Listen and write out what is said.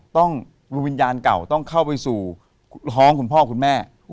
วิญญาณเก่าต้องเข้าไปสู่ท้องคุณพ่อคุณแม่